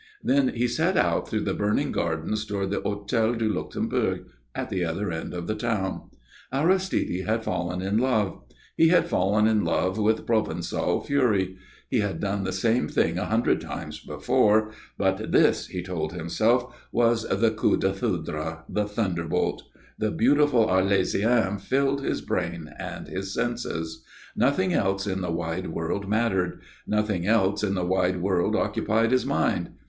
Then he set out through the burning gardens towards the Hôtel du Luxembourg, at the other end of the town. Aristide had fallen in love. He had fallen in love with Provençal fury. He had done the same thing a hundred times before; but this, he told himself, was the coup de foudre the thunderbolt. The beautiful Arlésienne filled his brain and his senses. Nothing else in the wide world mattered. Nothing else in the wide world occupied his mind.